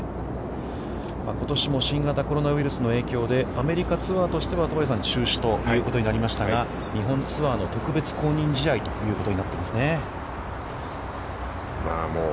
ことしも新型コロナウイルスの影響でアメリカツアーとしては、戸張さん、中止ということになりましたが、日本ツアーの特別公認試合となっていますね。